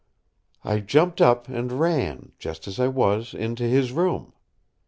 I jumped up and ran, just as I was, into his room.